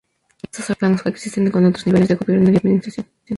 Estos órganos coexisten con otros niveles de gobierno y administración.